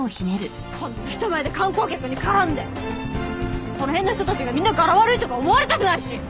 こんな人前で観光客に絡んでこの辺の人たちがみんな柄悪いとか思われたくないし。